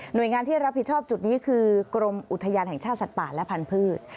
โดยงานที่รับผิดชอบจุดนี้คือกรมอุทยานแห่งชาติสัตว์ป่าและพันธุ์